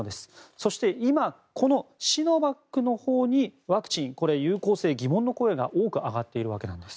そして今このシノバックのほうにワクチンの有効性に疑問の声が多く上がっているんです。